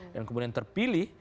dan kemudian terpilih